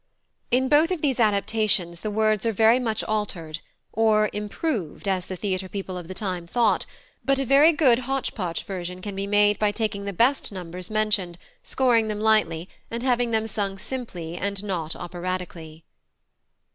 In both of these adaptations the words are very much altered, or "improved," as the theatre people of the time thought; but a very good hotch potch version can be made by taking the best numbers mentioned, scoring them lightly, and having them sung simply and not operatically.